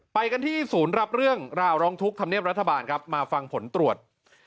ไปกันที่ศูนย์รับเรื่องราวร้องทุกข์ธรรมเนียบรัฐบาลครับมาฟังผลตรวจ